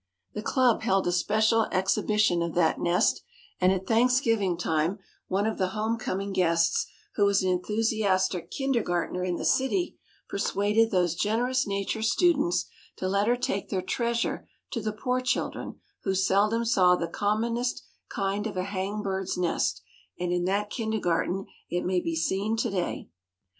The club held a special exhibition of that nest, and at Thanksgiving time one of the home coming guests, who was an enthusiastic kindergartener in the city, persuaded those generous nature students to let her take their treasure to the poor children who seldom saw the commonest kind of a hang bird's nest, and in that kindergarten it may be seen today.